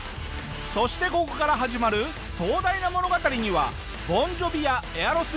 そしてここから始まる壮大な物語にはボン・ジョヴィやエアロスミス